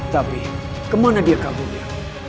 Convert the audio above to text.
tapi kemana dia kaburnya